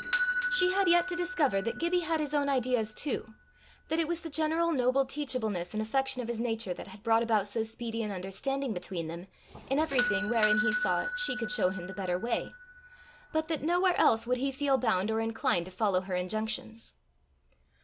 She had yet to discover that Gibbie had his own ideas too, that it was the general noble teachableness and affection of his nature that had brought about so speedy an understanding between them in everything wherein he saw she could show him the better way, but that nowhere else would he feel bound or inclined to follow her injunctions.